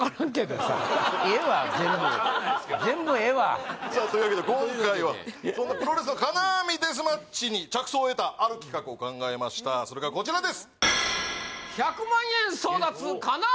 ええわ全部全部ええわさあというわけで今回は日本のプロレスの金網デスマッチに着想を得たある企画を考えましたそれがこちらです